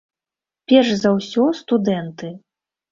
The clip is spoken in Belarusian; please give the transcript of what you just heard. Перш за ўсё, студэнты.